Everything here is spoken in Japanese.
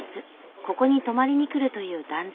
ここに泊まりにくるという男性。